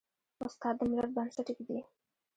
استاد د ملت بنسټ ږدي.